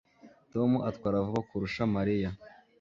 Tom atwara vuba kurusha Mariya